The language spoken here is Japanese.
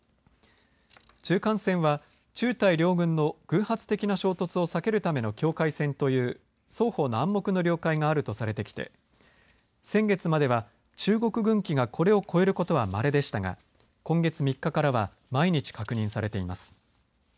中間線は中台両軍の偶発的な衝突を避けるための境界線という双方の暗黙の了解があるとされてきて先月までは中国軍機がこれを越えることはまれでしたが、今月３日からは毎日確認されています。